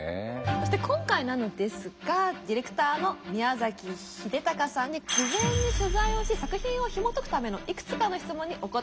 そして今回なのですがディレクターの宮崎英高さんに事前に取材をし作品をひもとくためのいくつかの質問にお答え頂きました。